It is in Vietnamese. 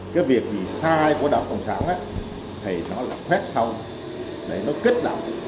cái việc sai của đảng cộng sản thì nó là khuét sau để nó kết đạo